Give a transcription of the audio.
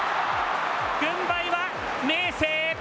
軍配は、明生！